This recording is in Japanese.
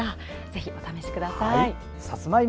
ぜひお試しください。